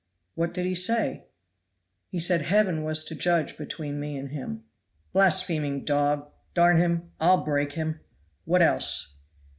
"What did he say?" "He said Heaven was to judge between me and him." "Blaspheming dog! him! I'll break him. What else?"